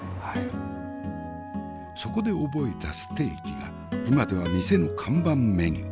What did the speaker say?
そこで覚えたステーキが今では店の看板メニュー。